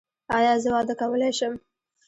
ایا زه واده کولی شم؟